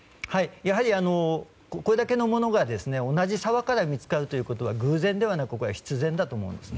やはり、これだけのものが同じ沢から見つかるということは偶然ではなく必然だと思います。